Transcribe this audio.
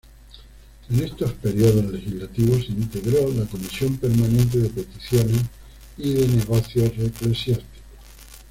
En estos períodos legislativos integró la Comisión permanente de Peticiones y de Negocios Eclesiásticos.